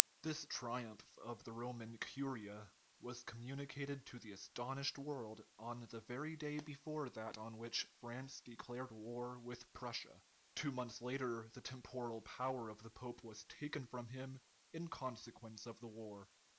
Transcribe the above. This triumph of the Roman curia was communicated to the aston ished world five days afterwards, on the very day on which France declared war with Prussia. Two months later the temporal power of the pope was taken from him in consequence of the war.